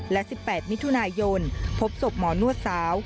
และ๑๘มิถุนายนพบศพหมอนวดสาว